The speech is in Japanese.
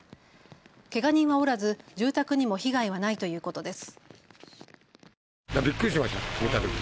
けが人はおらず住宅にも被害はないということです。